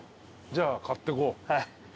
じゃあ買ってこう。